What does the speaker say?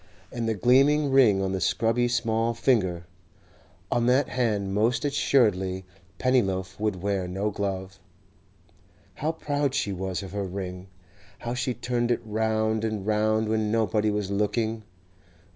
And the gleaming ring on the scrubby small finger! On that hand most assuredly Pennyloaf would wear no glove. How proud she was of her ring! How she turned it round and round when nobody was looking!